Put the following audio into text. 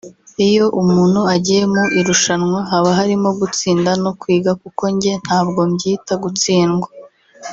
Iyo umuntu agiye mu irushanwa haba harimo gutsinda no kwiga kuko njye ntabwo mbyita gutsindwa